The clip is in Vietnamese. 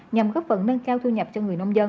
nhằm góp phần nâng cao thu nhập cho người nông dân